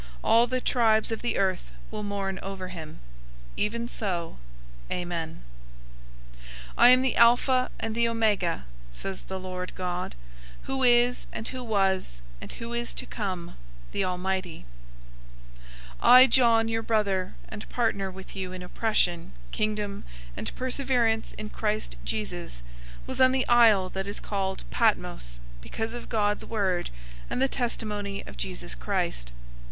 All the tribes of the earth will mourn over him. Even so, Amen. 001:008 "I am the Alpha and the Omega,{TR adds "the Beginning and the End"}" says the Lord God,{TR omits "God"} "who is and who was and who is to come, the Almighty." 001:009 I John, your brother and partner with you in oppression, Kingdom, and perseverance in Christ Jesus, was on the isle that is called Patmos because of God's Word and the testimony of Jesus Christ.